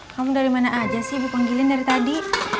kamu dari mana aja sih ibu panggilin dari tadi